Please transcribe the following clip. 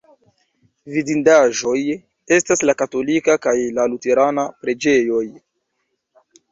Vidindaĵoj estas la katolika kaj la luterana preĝejoj.